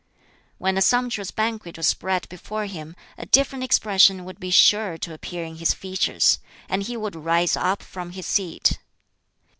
When a sumptuous banquet was spread before him, a different expression would be sure to appear in his features, and he would rise up from his seat.